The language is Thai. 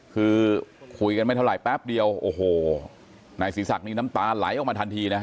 คือคุยกันไม่เท่าไหร่แป๊บเดียวโอ้โหนายศรีศักดิ์น้ำตาไหลออกมาทันทีนะฮะ